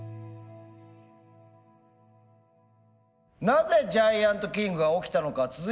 なぜジャイアントキリングが起きたのか続いて。